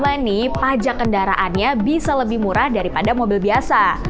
mobil listrik murni pajak kendaraannya bisa lebih murah daripada mobil biasa